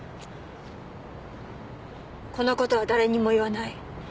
このことは誰にも言わない